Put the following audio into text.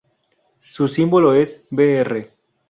Su símbolo es Br.